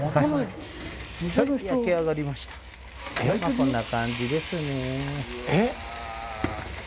こんな感じですね。